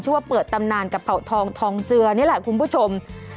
ว่าเปิดตำนานกับเผ่าทองทองเจือนี่แหละคุณผู้ชม